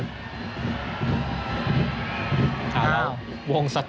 ส่วนที่สุดท้ายส่วนที่สุดท้าย